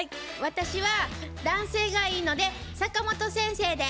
私は男性がいいので坂本先生で。